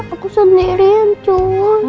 aku sendirian tuh